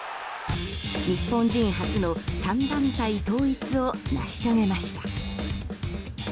日本人初の３団体統一を成し遂げました。